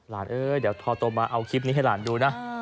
เอ้ยเดี๋ยวทอโตมาเอาคลิปนี้ให้หลานดูนะ